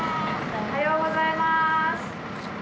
おはようございます。